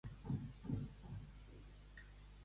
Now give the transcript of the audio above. Qui pensa en demà, desconfia de Déu.